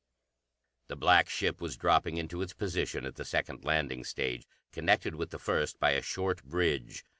The black ship was dropping into its position at the second landing stage, connected with the first by a short bridge.